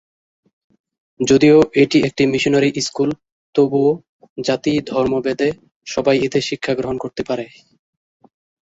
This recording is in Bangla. যদিও এটি একটি মিশনারি স্কুল, তবুও জাতি-ধর্ম ভেদে সবাই এতে শিক্ষা গ্রহণ করতে পারে।